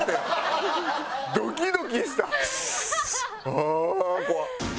ああ怖っ！